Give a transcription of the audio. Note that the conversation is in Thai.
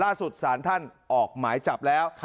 ล่าสุดสารท่านออกหมายจับแล้ว